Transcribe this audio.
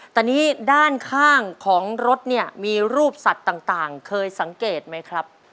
แต่นี่ด้านข้างของรถเนี่ยมีรูปสัตว์ต่างเคยสังเกตไหมครับ